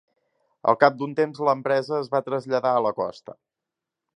Al cap d'un temps, l'empresa es va traslladar a la costa.